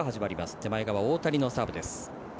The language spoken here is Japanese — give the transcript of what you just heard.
手前側、大谷のサーブ。